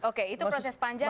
oke itu proses panjang